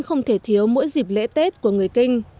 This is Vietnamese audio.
không thể thiếu mỗi dịp lễ tết của người kinh